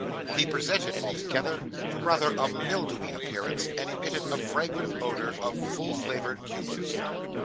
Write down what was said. He presented, altogether, rather a mildewy appearance, and emitted a fragrant odour of full flavoured Cubas.